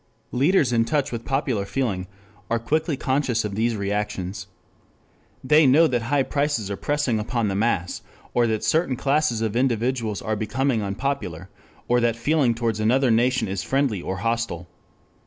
Leaders in touch with popular feeling are quickly conscious of these reactions. They know that high prices are pressing upon the mass, or that certain classes of individuals are becoming unpopular, or that feeling towards another nation is friendly or hostile.